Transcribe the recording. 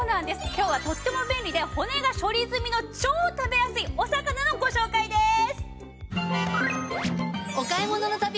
今日はとっても便利で骨が処理済みの超食べやすいお魚のご紹介です！